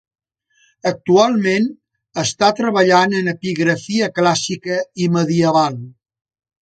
Actualment, està treballant en epigrafia clàssica i medieval.